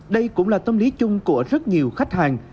đây cũng là tâm lý chung của rất nhiều khách hàng